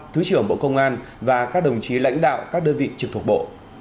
thứ trưởng bộ công an và các đồng chí lãnh đạo các đơn vị trực thuộc bộ